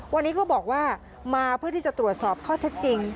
วันนี้ก็บอกว่ามาเพื่อที่จะตรวจสอบข้อเท็จจริง